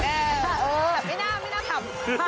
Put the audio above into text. เออ